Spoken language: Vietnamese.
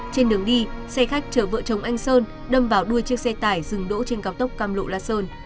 trên đường đi xe khách chở vợ chồng anh sơn đâm vào đuôi chiếc xe tải dừng đỗ trên cao tốc cam lộ la sơn